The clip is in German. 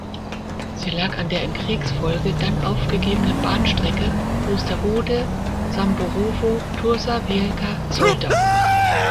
Sie lag an der in Kriegsfolge dann aufgegebenen Bahnstrecke (Osterode–) Samborowo–Turza Wielka (–Soldau).